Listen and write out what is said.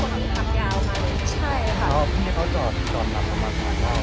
พี่เค้าจอดตอนนั้นประมาณมาก